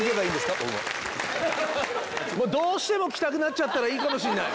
どうしても来たくなっちゃったらいいかもしれない。